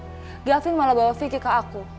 dari awal vicky malah bawa vicky ke aku